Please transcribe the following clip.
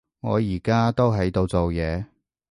我而家都喺度做嘢